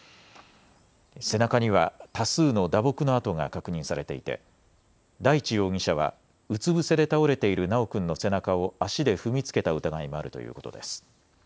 背中には多数の打撲の痕が確認されていて大地容疑者はうつ伏せで倒れている修君の背中を足で踏みつけた疑いもあるということです。